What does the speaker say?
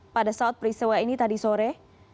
pada saat peristiwa ini tadi sore